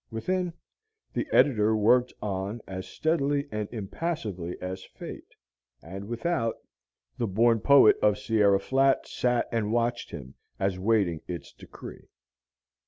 Within, the editor worked on as steadily and impassively as Fate. And without, the born poet of Sierra Flat sat and watched him as waiting its decree.